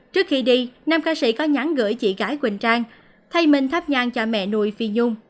trước khi đi nam ca sĩ có nhắn gửi chị gái quỳnh trang thay mình thắp nhang cho mẹ nuôi phi nhung